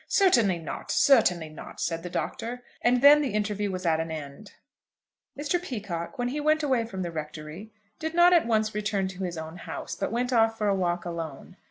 "Certainly not; certainly not," said the Doctor. And then the interview was at an end. Mr. Peacocke, when he went away from the Rectory, did not at once return to his own house, but went off for a walk alone.